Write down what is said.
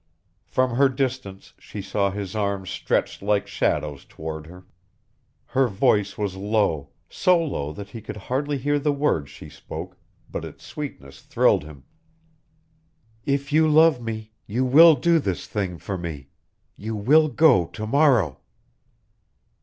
From her distance she saw his arms stretched like shadows toward her. Her voice was low, so low that he could hardly hear the words she spoke, but its sweetness thrilled him. "If you love me you will do this thing for me. You will go to morrow."